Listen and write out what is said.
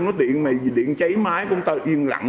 nó tiện mày vì điện cháy máy con ta yên lặng